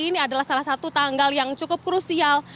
jadi ini adalah salah satu tanggal yang cukup krusial